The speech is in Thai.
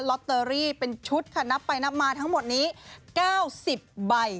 ลอตเตอรี่เป็นชุดค่ะนับไปนับมาทั้งหมดนี้๙๐ใบ